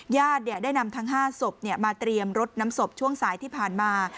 ญาติได้นำทั้ง๕ศพมาเตรียมรถน้ำศพช่วงสายที่ผ่านมา